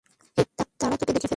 হেই, তারা তোকে দেখে ফেলবে!